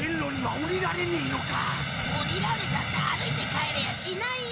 降りられたって歩いて帰れやしないよ！